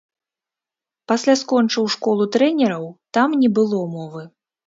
Пасля скончыў школу трэнераў, там не было мовы.